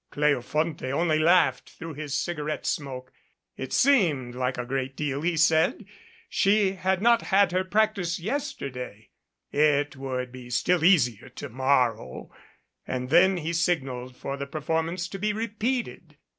Cleofonte only laughed through his cigarette smoke. It seemed like a great deal, he said. She had not had her practice yesterday. It would be still easier to morrow. And then he signaled for the performance to be repeated.